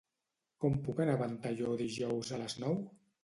Com puc anar a Ventalló dijous a les nou?